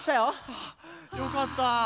あよかった。